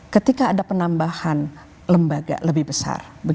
ketika ada penambahan lembaga lebih besar